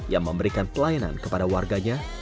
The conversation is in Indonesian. yang memberikan pelayanan kepada warganya